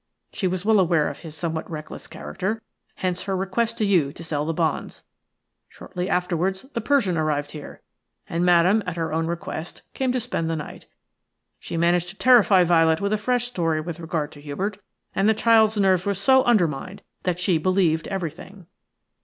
She was well aware of his somewhat reckless character. Hence her request to you to sell the bonds. Shortly afterwards the Persian arrived here, and Madame, at her own request, came to spend the night. She managed to terrify Violet with a fresh story with regard to Hubert, and the child's nerves were so undermined that she believed everything.